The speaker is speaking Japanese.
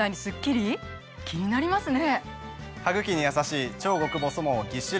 気になりますね。